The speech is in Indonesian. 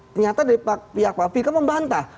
ternyata dari pihak pak firly kan membantah